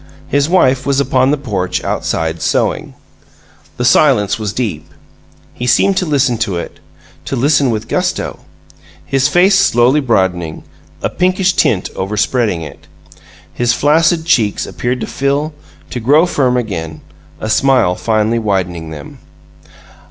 His wife was upon the porch, outside, sewing. The silence was deep. He seemed to listen to it to listen with gusto; his face slowly broadening, a pinkish tint overspreading it. His flaccid cheeks appeared to fill, to grow firm again, a smile finally widening them.